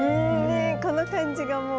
この感じがもう。